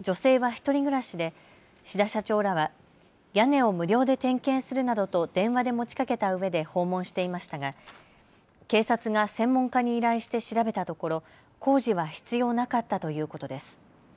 女性は１人暮らしで志田社長らは屋根を無料で点検するなどと電話で持ちかけたうえで訪問していましたが警察が専門家に依頼して調べたところ工事は必要なかったということです。